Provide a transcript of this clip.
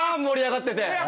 盛り上がってて。